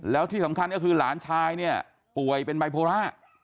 แล้วที่สำคัญก็คือหลานชายเนี่ยป่วยเป็นไบโพล่า